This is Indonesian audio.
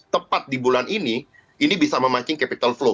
tepat di bulan ini ini bisa memancing capital flow